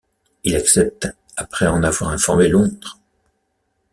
Il accepte après en avoir informé Londres.